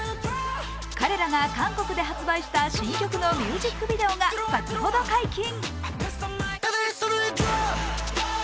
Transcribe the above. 彼らが韓国で発売した新曲のミュージックビデオが先ほど解禁。